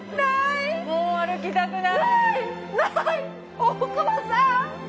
大久保さん。